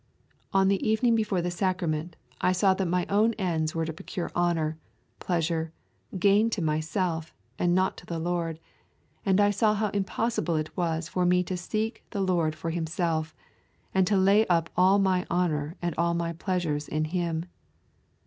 On the evening before the sacrament I saw that mine own ends were to procure honour, pleasure, gain to myself, and not to the Lord, and I saw how impossible it was for me to seek the Lord for Himself, and to lay up all my honour and all my pleasures in Him.